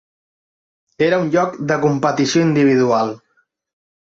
Era un joc de competició individual.